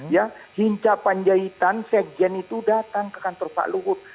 ya hinca panjaitan sekjen itu datang ke kantor pak luhut